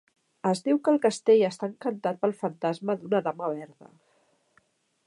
Es diu que el castell està encantat pel fantasma d'una "Dama Verda".